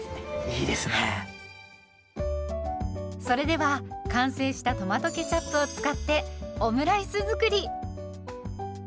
それでは完成したトマトケチャップを使ってオムライス作り。